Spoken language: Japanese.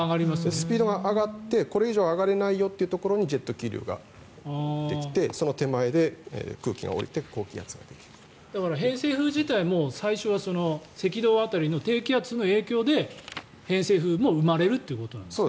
スピードが上がってこれ以上、上がれないよというところにジェット気流ができてその手前でだから、偏西風自体も最初は赤道辺りの低気圧の影響で偏西風も生まれるということなんですか。